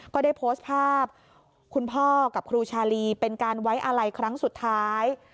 ก็ได้โพสต์ภาพคุณพ่อกับครูชาลีเป็นการไว้อาลัยครั้งสุดท้าย